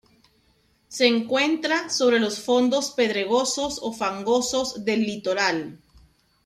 Se encuentra sobre los fondos pedregosos o fangosos del litoral.